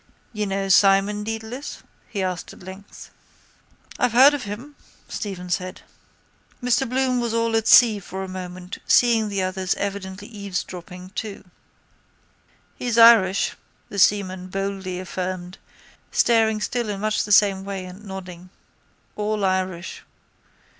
—You know Simon Dedalus? he asked at length. —I've heard of him, Stephen said. Mr Bloom was all at sea for a moment, seeing the others evidently eavesdropping too. —He's Irish, the seaman bold affirmed, staring still in much the same way and nodding. All Irish.